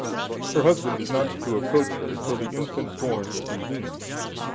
Her husband is not to approach her, till the infant born be weaned.